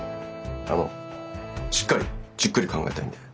あのしっかりじっくり考えたいんで。